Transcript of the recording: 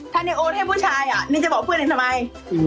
ถ้าโอนให้ผู้ชายนี่จะบอกเพื่อนหนึ่งเรื่องมั้ย